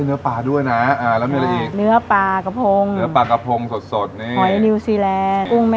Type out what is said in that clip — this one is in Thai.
ลาวาทะเลแซ่บเอามาลาวโอ้โหถามเปิดเริ่มเลยอ่ะ